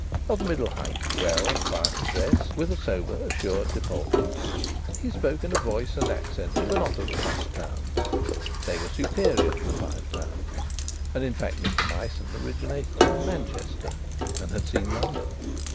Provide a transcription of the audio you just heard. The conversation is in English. Of middle height, well and quietly dressed, with a sober, assured deportment, he spoke in a voice and accent that were not of the Five Towns; they were superior to the Five Towns. And in fact Mr Myson originated in Manchester and had seen London.